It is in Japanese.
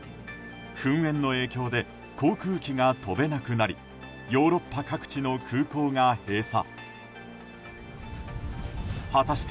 噴煙の影響で航空機が飛べなくなりヨーロッパ各地の空港が閉鎖。